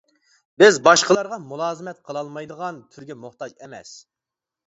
بىز باشقىلارغا مۇلازىمەت قىلالمايدىغان تۈرگە موھتاج ئەمەس.